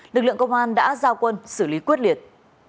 lực lượng công an đã giao quân xử lý quyết liệt